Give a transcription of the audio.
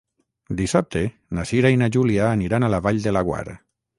Dissabte na Cira i na Júlia aniran a la Vall de Laguar.